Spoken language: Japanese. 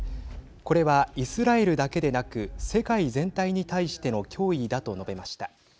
これは、イスラエルだけでなく世界全体に対しての脅威だと述べました。